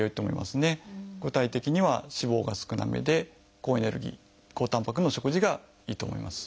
具体的には脂肪が少なめで高エネルギー高たんぱくの食事がいいと思います。